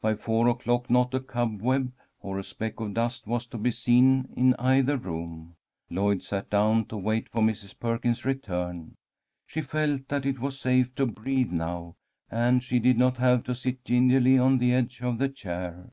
By four o'clock not a cobweb or a speck of dust was to be seen in either room. Lloyd sat down to wait for Mrs. Perkins's return. She felt that it was safe to breathe now, and she did not have to sit gingerly on the edge of the chair.